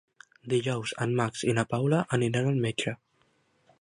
Dijous en Max i na Paula aniran al metge.